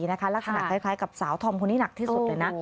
ลักษณะคล้ายกับสาวธอมคนนี้หนักที่สุดเลยนะ